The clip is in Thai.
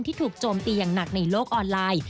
ถูกโจมตีอย่างหนักในโลกออนไลน์